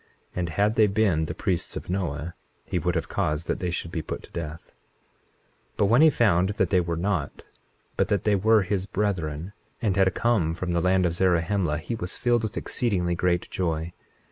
And had they been the priests of Noah he would have caused that they should be put to death. 21:24 But when he found that they were not, but that they were his brethren, and had come from the land of Zarahemla, he was filled with exceedingly great joy.